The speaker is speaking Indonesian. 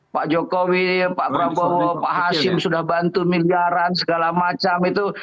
pak jokowi pak prabowo pak hasim sudah bantu miliaran segala macam itu